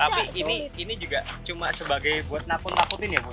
tapi ini juga cuma sebagai buat nakut nakutin ya bu